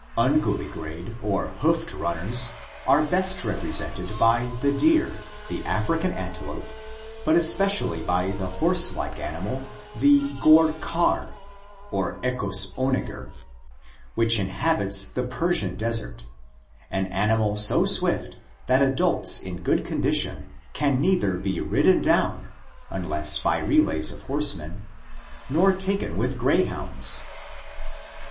Unguligrade or hoofed runners are best represented by the deer, the African antelope, but especially by the horse like animal, the ghor khar {Equus onager)! which inhabits the Persian desert, an animal so swift that adults in good condition can neither be ridden down, unless by relays of horsemen, nor taken with greyhounds (Lydekker).